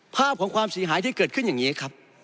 ภาพของความเสียหายที่เกิดขึ้นอย่างนี้ครับ